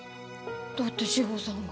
だって志保さんが。